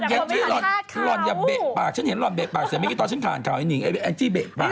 อย่างที่ร้อนอย่าเบะปากฉันเห็นร้อนเบะปากแต่ไม่คิดตอนฉันทานขาวไอ้นิ่งไอ้จี้เบะปาก